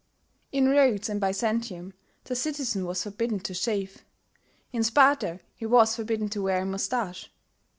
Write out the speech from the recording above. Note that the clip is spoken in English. In Rhodes and Byzantium the citizen was forbidden to shave; in Sparta he was forbidden to wear a moustache.